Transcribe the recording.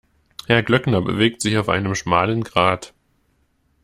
Herr Glöckner bewegt sich auf einem schmalen Grat.